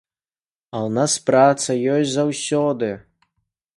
А ў нас праца ёсць заўсёды.